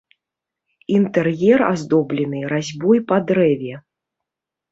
Інтэр'ер аздоблены разьбой па дрэве.